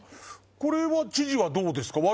海譴知事はどうですか？